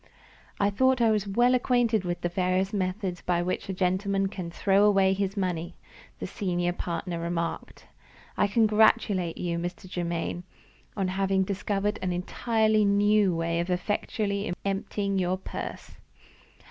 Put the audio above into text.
"I thought I was well acquainted with the various methods by which a gentleman can throw away his money," the senior partner remarked. "I congratulate you, Mr. Germaine, on having discovered an entirely new way of effectually emptying your purse.